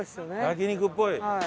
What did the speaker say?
焼肉っぽい。